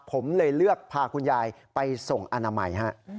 ผมเลยเลือกพาคุณยายไปส่งอนามัยฮะ